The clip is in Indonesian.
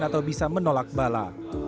atau bisa menolak bala